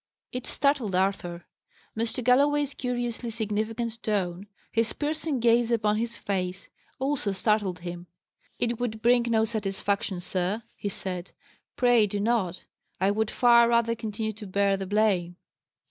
It startled Arthur. Mr. Galloway's curiously significant tone, his piercing gaze upon his face, also startled him. "It would bring no satisfaction, sir," he said. "Pray do not. I would far rather continue to bear the blame."